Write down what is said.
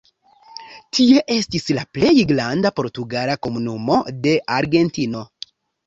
Tie estis la plej granda portugala komunumo de Argentino.